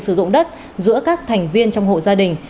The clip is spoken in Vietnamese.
sử dụng đất giữa các thành viên trong hộ gia đình